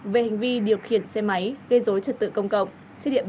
về hành vi điều khiển xe máy gây dối trật tự công cộng